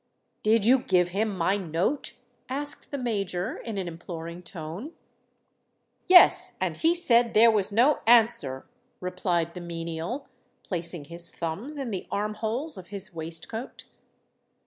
"Did you give him my note?" asked the Major, in an imploring tone. "Yes—and he said there was no answer," replied the menial, placing his thumbs in the arm holes of his waistcoat.